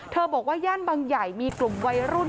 บอกว่าย่านบางใหญ่มีกลุ่มวัยรุ่น